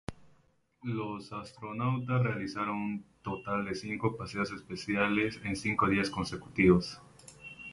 Los astronautas realizaron un total de cinco paseos espaciales en cinco días consecutivos.